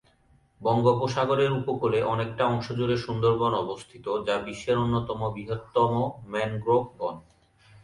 বঙ্গোপসাগর উপকূলে অনেকটা অংশ জুড়ে সুন্দরবন অবস্থিত, যা বিশ্বের অন্যতম বৃহত্তম ম্যানগ্রোভ বন।